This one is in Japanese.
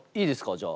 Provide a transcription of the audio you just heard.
じゃあ。